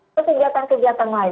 atau kegiatan kegiatan lain